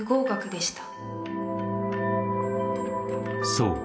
［そう。